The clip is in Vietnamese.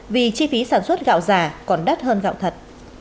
vì chi phí sản xuất gạo già còn đắt hơn gạo thật